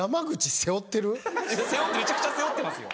背負ってるめちゃくちゃ背負ってますよ。